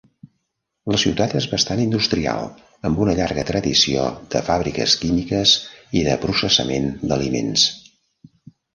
La ciutat és bastant industrial amb una llarga tradició de fàbriques químiques i de processament d'aliments.